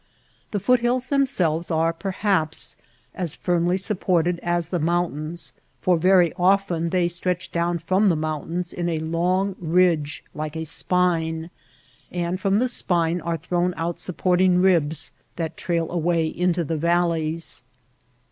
The foot hills themselves are perhaps as firmly sup ported as the mountains for very often they stretch down from the mountains in a long ridge like a spine, and from the spine are Mountain making. The foot hills. MESAS AND FOOT HILLS 205 thrown out supporting ribs that trail away into the valleys.